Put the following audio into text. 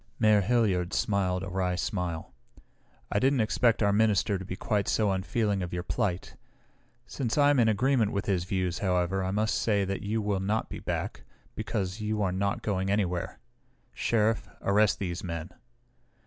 Mayor Hilliard smiled a wry smile. "I didn't expect our minister to be quite so unfeeling of your plight. Since I am in agreement with his views, however, I must say that you will not be back, because you are not going anywhere. Sheriff, arrest these men!"